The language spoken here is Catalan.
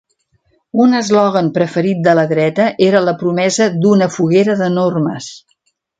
Un eslògan preferit de la dreta era la promesa "d'una foguera de normes".